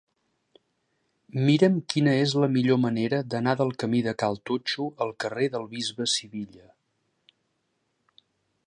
Mira'm quina és la millor manera d'anar del camí de Cal Totxo al carrer del Bisbe Sivilla.